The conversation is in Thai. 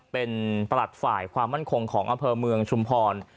เป็นประหลัดฝ่ายความมั่นคงของอำเภอเมืองชุมพร